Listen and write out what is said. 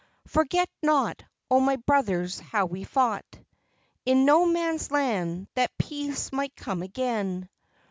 Forget not, O my brothers, how we fought In No Man's Land that peace might come again!